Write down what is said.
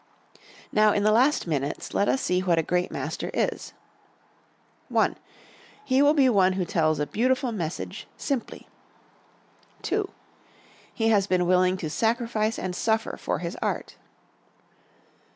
Now, in the last minutes, let us see what a great master is: I. He will be one who tells a beautiful message simply. II. He has been willing to sacrifice and suffer for his art.